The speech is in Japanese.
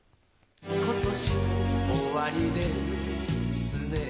今年も終りですね